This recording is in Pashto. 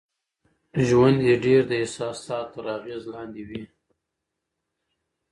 ژوند يې ډېر د احساساتو تر اغېز لاندې وي.